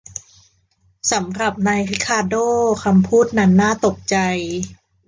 สำหรับนายริคาร์โด้คำพูดนั้นน่าตกใจ